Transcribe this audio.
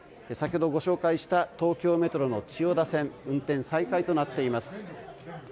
先ほどご紹介した東京メトロの千代田線は運転再開となっています。